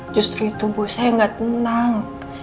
justru itu bu saya nggak tenang